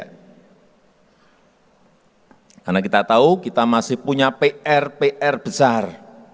karena kita tahu kita masih punya pr pr besar